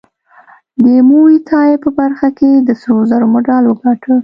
د موی تای په برخه کې د سرو زرو مډال وګاټه